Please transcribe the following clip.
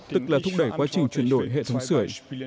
tức là thúc đẩy quá trình chuyển đổi hệ thống sửa